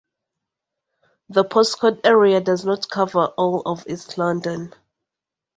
The postcode area does not cover all of East London.